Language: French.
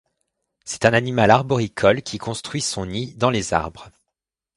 C'est un animal arboricole, qui construit son nid dans les arbres.